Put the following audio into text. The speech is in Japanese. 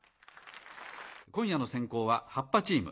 今夜の先攻は葉っぱチーム。